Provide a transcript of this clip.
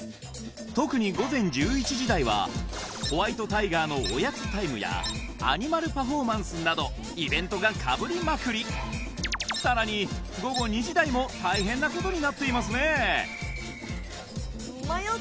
特に午前１１時台はホワイトタイガーのおやつタイムやアニマルパフォーマンスなどイベントがかぶりまくりさらに午後２時台も大変なことになっていますねねえ